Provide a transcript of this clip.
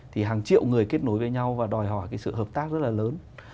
thì hàng triệu người kết nối với nhau và đòi hỏi cái sự hợp tác rất là lớn